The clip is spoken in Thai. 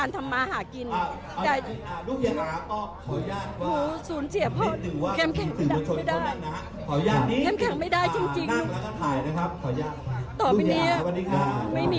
นั่งร้อนอยู่กับพ่อจะมีแต่รอยยิ้ม